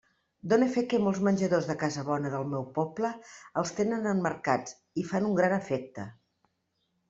Done fe que molts menjadors de casa bona del meu poble els tenen emmarcats, i fan un gran efecte.